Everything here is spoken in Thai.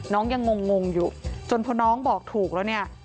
ยังงงอยู่จนพอน้องบอกถูกแล้วเนี่ย